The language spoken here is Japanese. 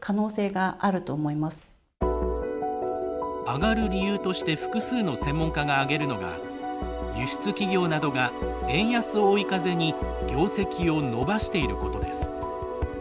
上がる理由として複数の専門家が挙げるのが輸出企業などが円安を追い風に業績を伸ばしていることです。